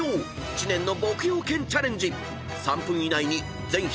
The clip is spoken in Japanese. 知念の牧羊犬チャレンジ］